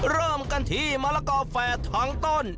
เริ่มกันที่มะละกอแฝดทั้งต้น